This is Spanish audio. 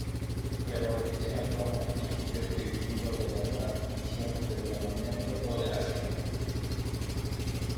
Prevaleció en Roma el principio prohibitivo de la transmisión del llamamiento o delación.